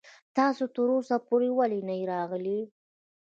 تاسو تر اوسه پورې ولې نه يې راغلی.